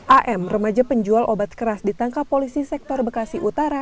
am remaja penjual obat keras ditangkap polisi sektor bekasi utara